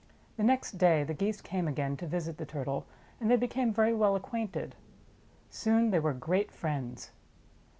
The next day the Geese came again to visit the Turtle and they became very well acquainted. Soon they were great friends.